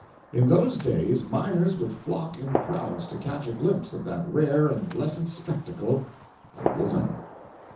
In those days miners would flock in crowds to catch a glimpse of that rare and blessed spectacle, a woman!